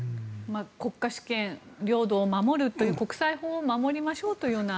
国家主権領土を守るという国際法を守りましょうというような。